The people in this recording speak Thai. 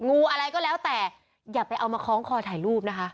งูอะไรก็แล้วแต่อย่าไปเอามาคล้องคอถ่ายรูปนะคะ